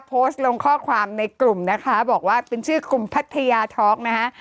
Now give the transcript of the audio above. โพสต์ลงข้อความในกลุ่มนะคะบอกว่าเป็นชื่อกลุ่มพัทยาท็อกนะคะ